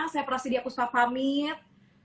saya prasidia kuspaf pamit